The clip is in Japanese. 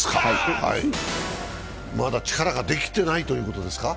まだ力ができていないということですか？